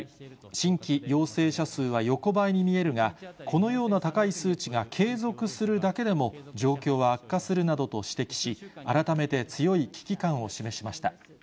新規陽性者数は横ばいに見えるが、このような高い数値が継続するだけでも、状況は悪化するなどと指摘し、改めて強い危機感を示しました。